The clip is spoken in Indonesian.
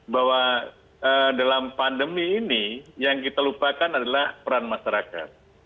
bahwa dalam pandemi ini yang kita lupakan adalah peran masyarakat